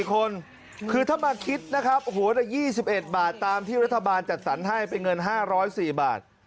๔คนคือถ้ามาคิดนะครับโอ้โหละ๒๑บาทตามที่รัฐบาลจัดสรรให้เป็นเงิน๕๐๔บาท